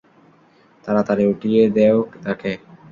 তারাতাড়ি উঠিয়ে দেও তাকে।